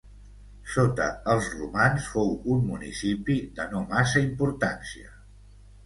Sota els romans fou un municipi de no massa importància.